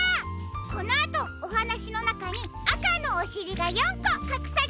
このあとおはなしのなかにあかのおしりが４こかくされているよ。